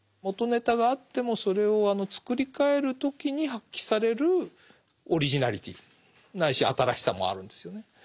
元ネタがあってもそれを作り替える時に発揮されるオリジナリティーないし新しさもあるんですよね。